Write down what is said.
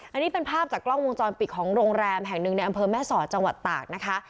อันนี้เป็นภาพจากกล้องวงจรปิดของโรงแรมแห่งหนึ่งในอำเภอแม่สอดจังหวัดตากนะคะ